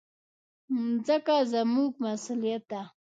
مځکه زموږ مسؤلیت ده.